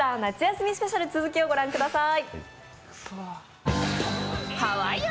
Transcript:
スペシャル、続きを御覧ください。